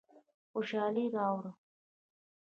خوشحالي راوړو.